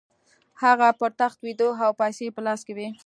هغه پر تخت ویده او پیسې یې په لاس کې وې